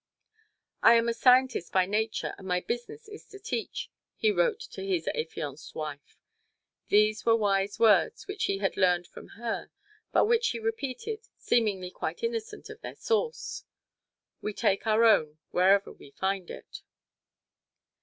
"I am a scientist by nature, and my business is to teach," he wrote to his affianced wife. These were wise words which he had learned from her, but which he repeated, seemingly quite innocent of their source. We take our own wherever we find it.